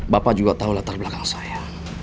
bapak juga tahu latar belakang saya